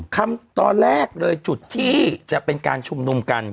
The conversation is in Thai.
คำตอนแรกเลยจุดที่จะเป็นการชุมนุมกัน